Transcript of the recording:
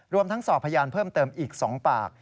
รวมทั้งสอบพยานเพิ่มเติมอีก๒ปาก